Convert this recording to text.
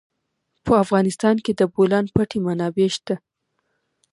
په افغانستان کې د د بولان پټي منابع شته.